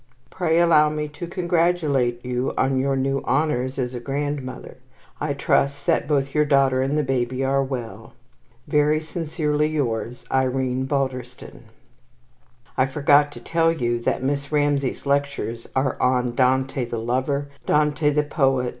Pray allow me to congratulate you on your new honours as a grandmother. I trust that both your daughter and the baby are well. Very sincerely yours, IRENE BALDERSTON. I forgot to tell you that Miss Ramsay's lectures are on Dante, the Lover. Dante, the Poet.